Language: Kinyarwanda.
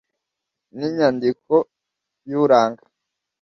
n'inyandiko y'uraga